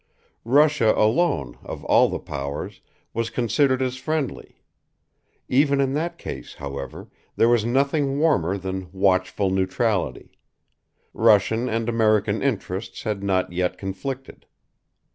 Russia alone, of all the powers, was considered as friendly. Even in that case, however, there was nothing warmer than watchful neutrality. Russian and American interests had not yet conflicted.